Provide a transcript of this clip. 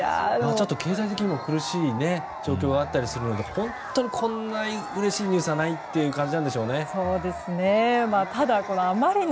経済的にも苦しい状況があったりするので本当に、こんなにうれしいニュースはないという感じなんでしょうね。